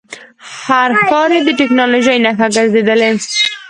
هر ښار یې د ټکنالوژۍ نښه ګرځېدلی.